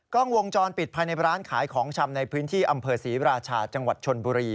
กล้องวงจรปิดภายในร้านขายของชำในพื้นที่อำเภอศรีราชาจังหวัดชนบุรี